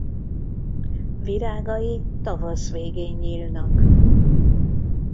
Virágai tavasz végén nyílnak.